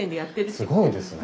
すごいですね！